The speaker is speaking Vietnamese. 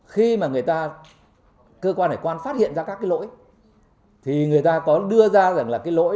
khi cơ quan hải quan phát hiện ra các lỗi